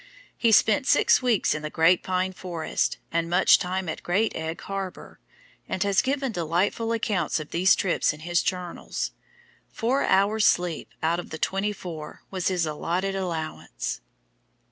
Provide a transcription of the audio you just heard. He spent six weeks in the Great Pine Forest, and much time at Great Egg Harbor, and has given delightful accounts of these trips in his journals. Four hours' sleep out of the twenty four was his allotted allowance.